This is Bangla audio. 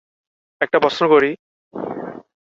একটা প্রশ্ন করি?